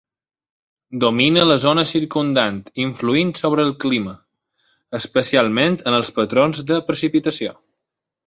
Domina la zona circumdant, influint sobre el clima, especialment en els patrons de precipitació.